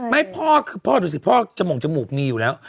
มาให้พ่อดูสิพ่อจมูกมีอยู่แล้ว